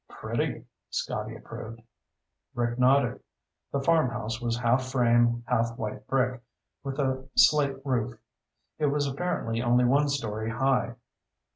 "Pretty," Scotty approved. Rick nodded. The farmhouse was half frame, half white brick, with a slate roof. It was apparently only one story high.